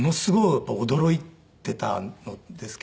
やっぱり驚いていたのですけど